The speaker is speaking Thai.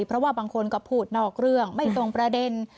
เพราะว่าบางคนก็พูดนอกเรื่องไม่ตรงประเด็น